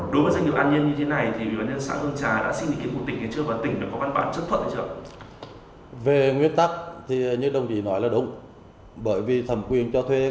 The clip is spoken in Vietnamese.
được ủy ban nhân dân thị xã hương trà giao đất cho công ty trách nhiệm hữu hạn